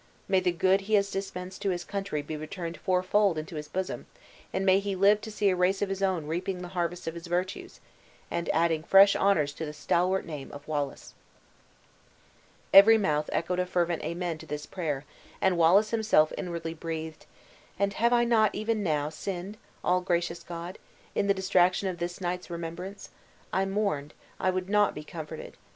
May the good he has dispensed to his country be returned four fold into his bosom; and may he live to see a race of his own reaping the harvest of his virtues, and adding fresh honors to the stalwart name of Wallace!" Every mouth echoed a fervent amen to this prayer, and Wallace himself inwardly breathed, "And have I not, even now, sinned, all gracious God! in the distraction of this night's remembrance? I mourned I would not be comforted.